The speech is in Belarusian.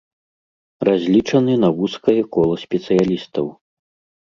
Разлічаны на вузкае кола спецыялістаў.